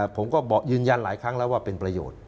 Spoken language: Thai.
ผมก็ยืนยันหลายครั้งแล้วว่าเป็นประโยชน์